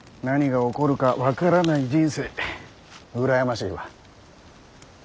何が起こるか分からない人生羨ましいわ。